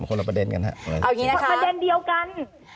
คนละประเด็นกันฮะประเด็นเดียวกัน